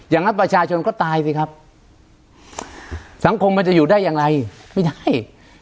อย่างนั้นประชาชนก็ตายสิครับสังคมมันจะอยู่ได้อย่างไรไม่ได้